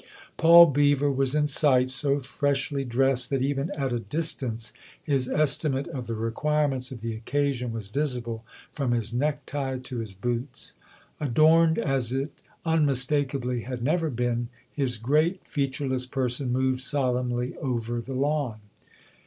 Paul Beever was in sight, so freshly dressed that THE OTHER HOUSE 177 even at a distance his estimate of the requirements of the occasion was visible from his necktie to his boots. Adorned as it unmistakably had never been, his great featureless person moved solemnly over the lawn.